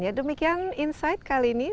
ya demikian insight kali ini